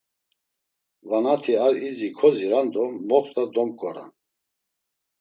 Vanati ar izi koziran do moxt̆a domǩoran.